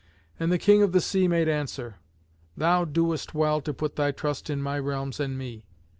And the King of the sea made answer, "Thou doest well to put thy trust in my realms and me.